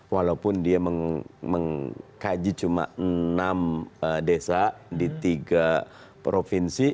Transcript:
walaupun dia mengkaji cuma enam desa di tiga provinsi